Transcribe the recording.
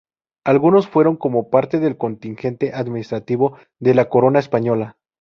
Algunos fueron como parte del contingente administrativo de la corona española.